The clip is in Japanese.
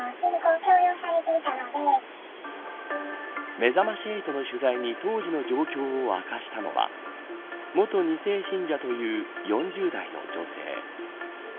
めざまし８の取材に当時の状況を明かしたのは元２世信者という４０代の女性。